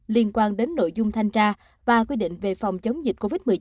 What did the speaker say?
liên quan đến nội dung thanh tra và quy định về phòng chống dịch covid một mươi chín